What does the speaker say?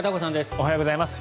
おはようございます。